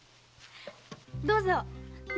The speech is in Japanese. どうぞ。